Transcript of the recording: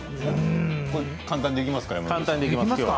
簡単にできますか？